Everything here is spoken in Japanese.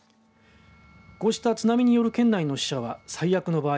こうした津波による県内の死者は最悪の場合